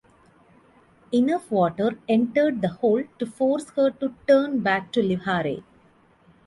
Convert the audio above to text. Enough water entered the hold to force her to turn back to Le Havre.